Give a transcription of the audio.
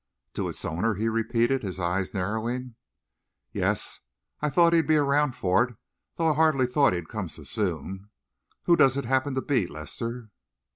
"To its owner?" he repeated, his eyes narrowing. "Yes, I thought he'd be around for it, though I hardly thought he'd come so soon. Who does it happen to be, Lester?"